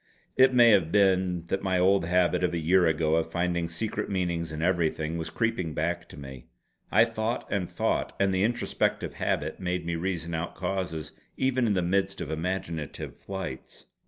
It may have been that my old habit of a year ago of finding secret meanings in everything was creeping back to me. I thought and thought; and the introspective habit made me reason out causes even in the midst of imaginative flights.